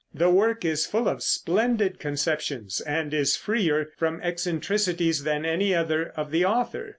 The work is full of splendid conceptions, and is freer from eccentricities than any other of the author.